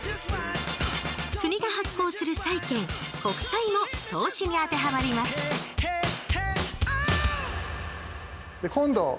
国が発行する債券「国債」も投資に当てはまります今度金。